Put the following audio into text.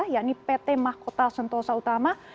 yakni pt mahkota sentosa utama